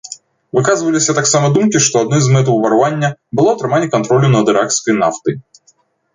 Выказваліся таксама думкі, што адной з мэтаў ўварвання было атрыманне кантролю над іракскай нафтай.